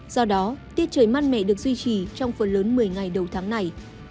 do đó tiết trời mát mẻ được duy trì trong phần lớn một mươi ngày đầu tháng này